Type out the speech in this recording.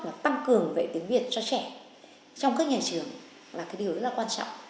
là tăng cường về tiếng việt cho trẻ trong các nhà trường là cái điều rất là quan trọng